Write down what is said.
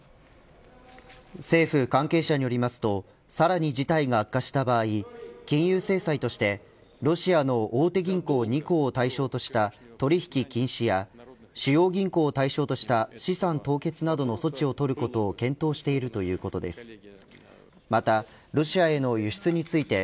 政府関係者によりますとさらに事態が悪化した場合金融制裁としてロシアの大手銀行２行を対象とした取引禁止や主要銀行を対象とした資産凍結などの措置をとることを検討しているということです。